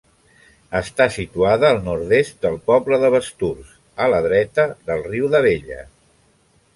Està situada al nord-est del poble de Basturs, a la dreta del riu d'Abella.